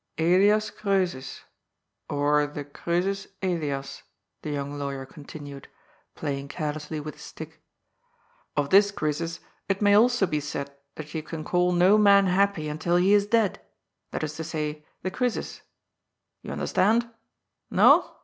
^' Ellas Croesus or the Croesus Elias," the young lawyer continued, playing carelessly with his stick. "Of this Croesus it may also be said tiiat you can call no man happy until he is dead, that is to say, the Croesus. Tou under stand? No?